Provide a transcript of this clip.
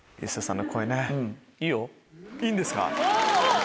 いいんですか⁉